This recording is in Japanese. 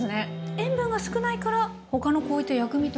塩分が少ないから他のこういった薬味ともなじみやすい？